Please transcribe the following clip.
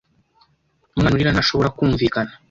Umwana urira ntashobora kumvikana